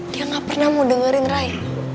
dia gak pernah mau dengerin raya